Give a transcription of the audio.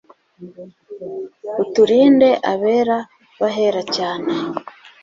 utulinde abera bahera cyane